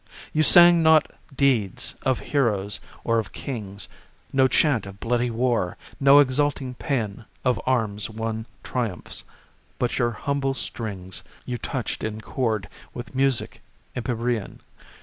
You sang not deeds of heroes or of kings; No chant of bloody war, no exulting pean Of arms won triumphs; but your humble strings You touched in chord with music empyrean.